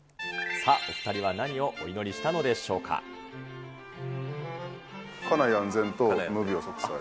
さあ、お２人は何をお祈りしたの家内安全と無病息災。